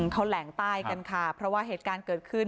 เขาแหลงใต้กันค่ะเพราะว่าเหตุการณ์เกิดขึ้น